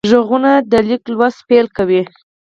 غوږونه د لیک لوست پیل کوي